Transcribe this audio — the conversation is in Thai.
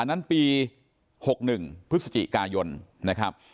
นั้นปี๖๑พฤศจิกายนนะครับ